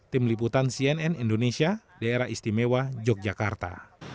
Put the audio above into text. tim liputan cnn indonesia daerah istimewa yogyakarta